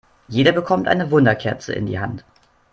Jeder bekommt eine Wunderkerze in die Hand.